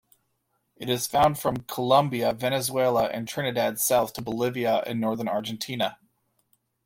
It is found from Colombia, Venezuela and Trinidad south to Bolivia and northern Argentina.